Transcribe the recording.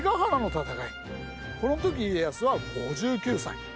この時家康は５９歳。